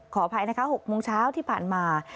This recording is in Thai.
ขออภัยนะคะ๖โมงเช้าที่ผ่านมา